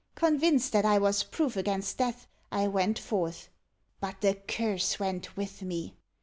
Convinced that I was proof against death, I went forth. _But a curse went with me!